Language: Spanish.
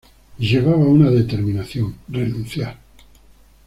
Llevaba una determinación: renunciar.